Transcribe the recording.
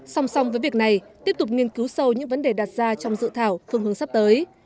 song song với việc này tiếp tục nghiên cứu sâu những vấn đề đặt ra trong dự thảo phương hướng sắp tới